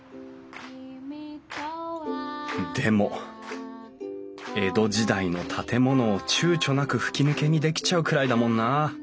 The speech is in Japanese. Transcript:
でも江戸時代の建物を躊躇なく吹き抜けにできちゃうくらいだもんな。